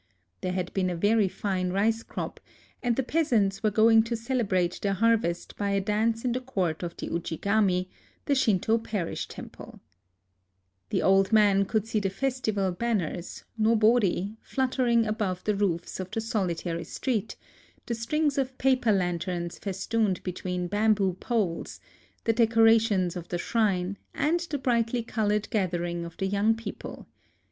There had been a very fine rice crop, and the peasants were going to cele brate their harvest by a dance in the court of the ujigami} The old man could see the fes tival banners (nohori) fluttering above the roofs of the solitary street, the strings of paper lanterns festooned between bamboo poles, the decorations of the shrine, and the brightly colored gathering of the young people.